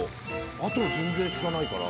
あとは全然知らないから。